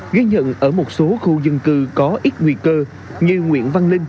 ghi nhận ở một số khu dân cư có ít nguy cơ như nguyễn văn linh